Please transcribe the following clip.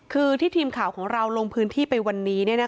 คือที่ทีมข่าวของเราลงพื้นที่ไปวันนี้